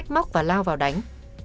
bị cáo thức và lao vào đánh